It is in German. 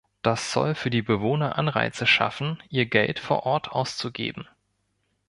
Das soll für die Bewohner Anreize schaffen, ihr Geld vor Ort ausgeben.